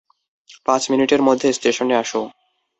পাঁচ মিনিটের মধ্যে স্টেশনে আসো।